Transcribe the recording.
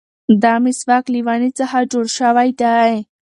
دا مسواک له ونې څخه جوړ شوی دی.